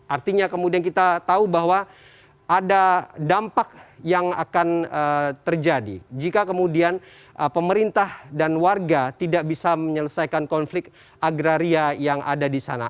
artinya kemudian kita tahu bahwa ada dampak yang akan terjadi jika kemudian pemerintah dan warga tidak bisa menyelesaikan konflik agraria yang ada di sana